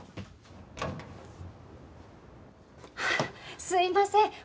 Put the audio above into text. あっすいません。